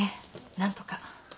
何とか。